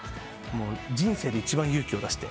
人生で一番勇気を出して。